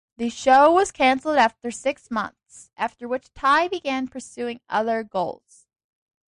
The show was cancelled after six months, after which Ty began pursuing other goals.